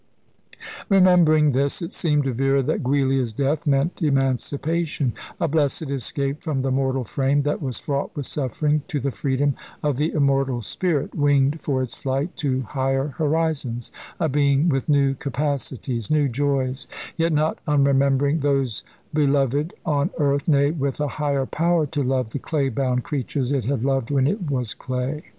Remembering this, it seemed to Vera that Giulia's death meant emancipation a blessed escape from the mortal frame that was fraught with suffering, to the freedom of the immortal spirit, winged for its flight to higher horizons, a being with new capacities, new joys yet not unremembering those beloved on earth, nay, with a higher power to love the clay bound creatures it had loved when it was clay.